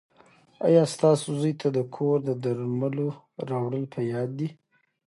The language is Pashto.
ایا ستاسو زوی ته د کور د درملو راوړل په یاد دي؟